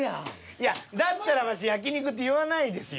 いやだったらワシ「焼肉」って言わないですよ。